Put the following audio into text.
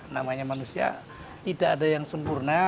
namanya manusia tidak ada yang sempurna